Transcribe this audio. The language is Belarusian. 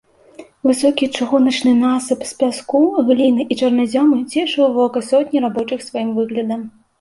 Высокі чыгуначны насып з пяску, гліны і чарназёму цешыў вока сотні рабочых сваім выглядам.